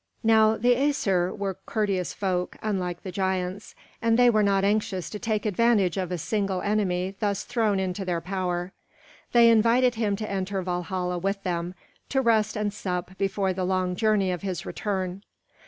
Now the Æsir were courteous folk, unlike the giants, and they were not anxious to take advantage of a single enemy thus thrown into their power. They invited him to enter Valhalla with them, to rest and sup before the long journey of his return.